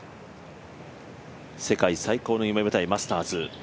世界最高の夢舞台マスターズ。